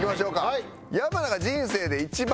はい。